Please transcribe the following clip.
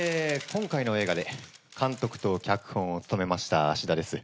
今回の映画で監督と脚本を務めましたアシダです。